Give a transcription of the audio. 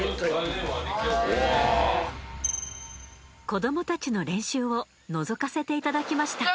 子どもたちの練習をのぞかせていただきました。